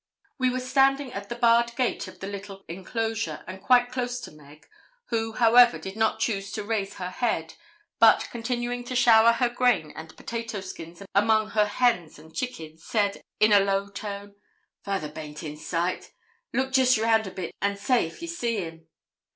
We were standing at the barred gate of the little enclosure, and quite close to Meg, who, however, did not choose to raise her head, but, continuing to shower her grain and potato skins among her hens and chickens, said in a low tone 'Father baint in sight? Look jist round a bit and say if ye see him.'